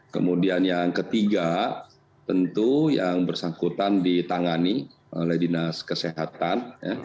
kemudian yang ketiga tentu yang bersangkutan ditangani oleh dinas kesehatan